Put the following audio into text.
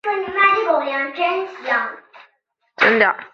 教堂外观揉合了文艺复兴式风格和早期巴洛克式风格。